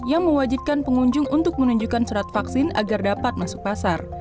yang mewajibkan pengunjung untuk menunjukkan surat vaksin agar dapat masuk pasar